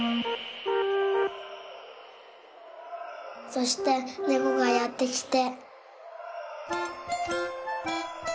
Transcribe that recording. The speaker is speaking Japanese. そしてねこがやってきて。